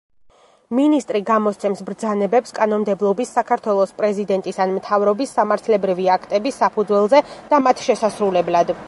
მინისტრი გამოსცემს ბრძანებებს კანონმდებლობის, საქართველოს პრეზიდენტის ან მთავრობის სამართლებრივი აქტების საფუძველზე და მათ შესასრულებლად.